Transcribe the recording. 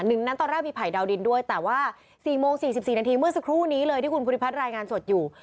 หนึ่งนั้นตอนแรกมีไผ่ดาวดินด้วยแต่ว่า๔โมง๔๔นาทีเมื่อสักครู่นี้เลยที่คุณภูริพัฒน์รายงานสดอยู่